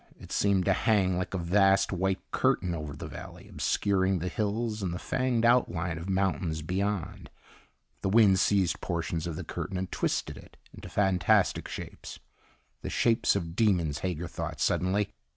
It seemed to hang like a vast white curtain over the valley, obscuring the hills and the fanged outline of mountains beyond. The wind seized portions of the curtain and twisted it into fantastic shapes the shapes of demons, Hager thought suddenly.